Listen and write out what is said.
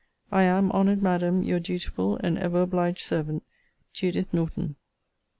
I am, Honoured Madam, Your dutiful and ever obliged servant, JUDITH NORTON.